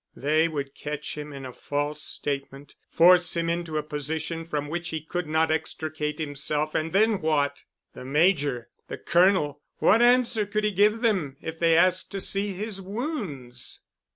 They would catch him in a false statement, force him into a position from which he could not extricate himself, and then what? The Major,—the Colonel,—what answer could he give them if they asked to see his wounds?